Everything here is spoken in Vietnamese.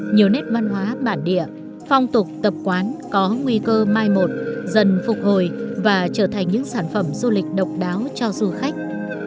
nhiều nét văn hóa bản địa phong tục tập quán có nguy cơ mai một dần phục hồi và trở thành những sản phẩm du lịch độc đáo cho du khách